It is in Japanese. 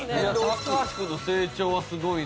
高橋くんの成長はすごいね。